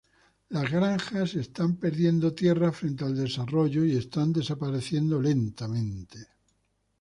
Las granjas están perdiendo tierra frente al desarrollo y están desapareciendo lentamente.